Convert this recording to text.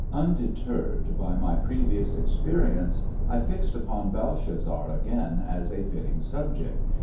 Undeterred by my previous experience, I fixed upon Belshazzar again as a fitting subject.